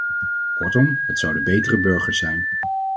Kortom, het zouden betere burgers zijn.